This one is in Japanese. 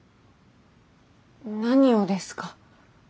何をですか？